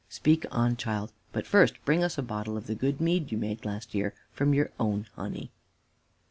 Speak on, child but first bring us a bottle of the good mead you made last year from your own honey."